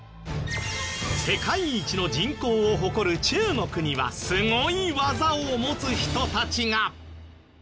世界一の人口を誇る中国にはすごい技を持つ人たちが！